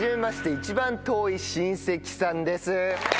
一番遠い親戚さん』です。